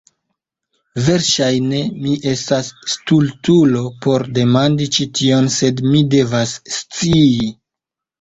Verŝajne mi estas stultulo por demandi ĉi tion sed mi devas scii